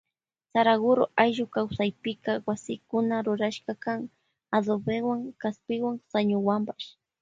Saraguro ayllu kawsaypika wasikuna rurashka kan adobewan kaspiwan sañuwanpash.